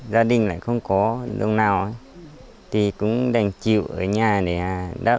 gia đình lại không có lương nào thì cũng đành chịu ở nhà để đáp